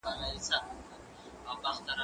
هغه څوک چي اوبه پاکوي روغ وي؟